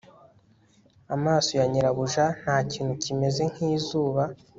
amaso ya nyirabuja ntakintu kimeze nkizuba